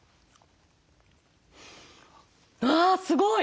わすごい！